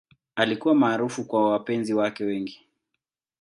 Alikuwa maarufu kwa wapenzi wake wengi.